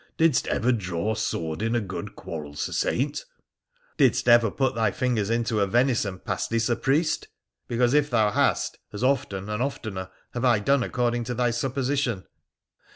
Didst ever draw sword in a good quarrel, Sir Saint ?' 'Didst every put thy fingers into a venison pastie, Sir Priest ? Because, if thou hast, as often, and oftener, have I done according to thy supposition.'